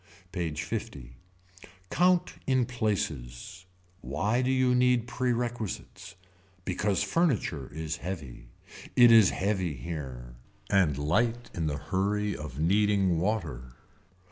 PAGE L. Count in places. Why do you need perquisites. Because furniture is heavy. It is heavy here. And light in the hurry of needing water.